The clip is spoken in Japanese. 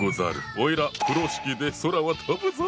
おいら風呂敷で空を飛ぶぞ！